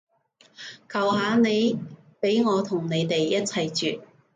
求下你畀我同你哋一齊住